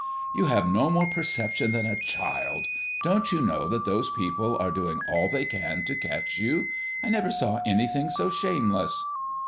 "You have no more perception than a child. Don't you know that those people are doing all they can to catch you? I never saw anything so shameless."